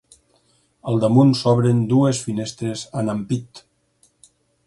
Al damunt s'obren dues finestres amb ampit.